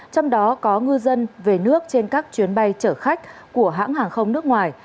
trong đó có ngư dân về nước trên các chuyến bay chở khách của hãng hàng không nước ngoài